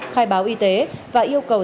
khai báo y tế và yêu cầu